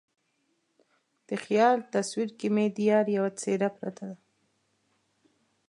د خیال تصویر کې مې د یار یوه څیره پرته ده